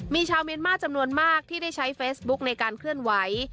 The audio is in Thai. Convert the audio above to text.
มีชาวเมียนมาร์จำนวนมากที่ได้ใช้เฟซบุ๊กในการเคลื่อนไหว